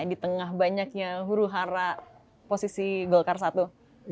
di tengah banyaknya huru hara posisi golkar satu